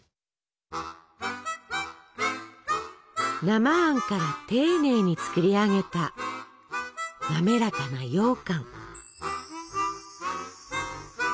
生あんから丁寧に作り上げた滑らかなようかん。